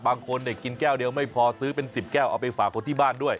บางคนกินแก้วเดียวไม่พอซื้อเป็น๑๐แก้วเอาไปฝากคนที่บ้านด้วย